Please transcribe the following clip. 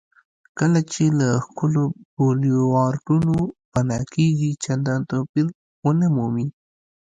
کله چې له ښکلو بولیوارډونو پناه کېږئ چندان توپیر ونه مومئ.